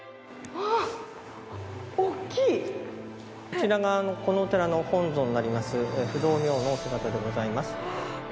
こちらがこのお寺の本尊になります不動明王のお姿でございます。